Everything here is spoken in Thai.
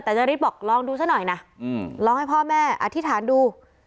แต่จริสบอกลองดูซะหน่อยนะลองให้พ่อแม่อธิษฐานดู